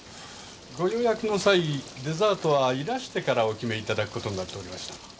ご予約の際デザートはいらしてからお決めいただくことになっておりましたが。